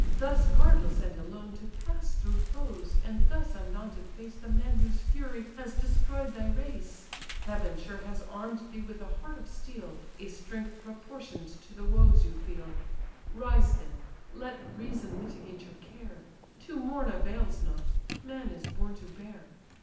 thus guardless and alone To pass through foes, and thus undaunted face The man whose fury has destroy'd thy race! Heaven sure has arm'd thee with a heart of steel, A strength proportion'd to the woes you feel. Rise, then: let reason mitigate your care: To mourn avails not: man is born to bear.